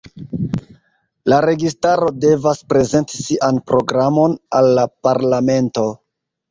La registaro devas prezenti sian programon al la parlamento.